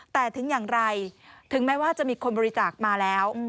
แต่ถึงอย่างไรถึงแม้ว่าจะมีคนบริจาคมาแล้ว